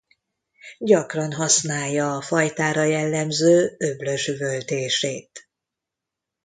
Gyakran használja a fajtára jellemző öblös üvöltését.